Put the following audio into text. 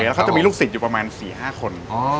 แล้วเขาจะมีลูกศิษย์อยู่ประมาณ๔๕คน